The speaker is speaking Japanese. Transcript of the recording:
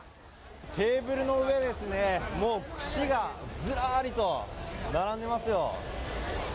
テーブルの上ですね、もう串がずらーりと並んでますよ。